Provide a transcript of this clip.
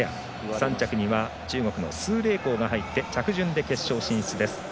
３着には中国の鄒麗紅が入って着順で決勝進出です。